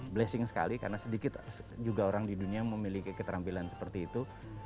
blessing sekali karena sedikit juga orang di dunia memiliki keterampilan seperti itu